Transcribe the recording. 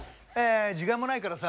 時間もないからさ